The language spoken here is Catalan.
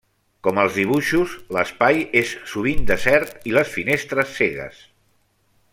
Com als dibuixos, l'espai és sovint desert i les finestres cegues.